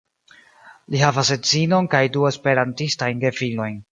Li havas edzinon kaj du esperantistajn gefilojn.